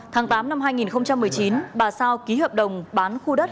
tháng tám năm hai nghìn một mươi chín bà sao ký hợp đồng bán khu đất